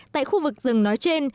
tại khu vực rừng nói trên